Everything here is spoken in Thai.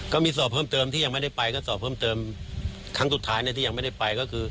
ก็มีสอบเพิ่มเติมที่ยังไม่ได้ไปก็สอบเพิ่มเติมครั้งสุดท้ายที่ยังไม่ได้ไปก็คือ